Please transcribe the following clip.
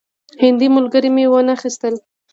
هندي ملګري مې وانه خیستل.